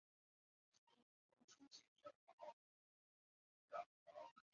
迷离报春为报春花科报春花属下的一个种。